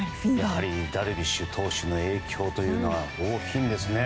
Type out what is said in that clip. やはりダルビッシュ投手の影響は大きいんですね。